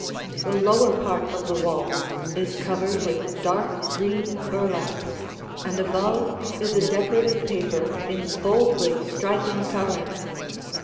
The lower part of the walls is covered with dark green burlap, and above is a decorative paper in boldly striking colors.